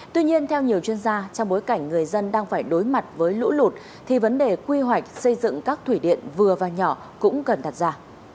tuy nhiên theo nhiều chuyên gia trong bối cảnh người dân đang phải đối mặt với lũ lụt thì vấn đề quy hoạch xây dựng các thủy điện vừa và nhỏ cũng cần đặt ra